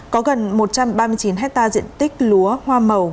có gần một trăm ba mươi chín hectare diện tích lúa hoa màu